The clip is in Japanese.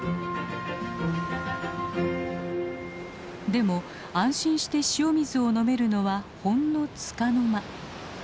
でも安心して塩水を飲めるのはほんのつかの間。